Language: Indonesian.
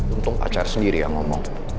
untung pacar sendiri yang ngomong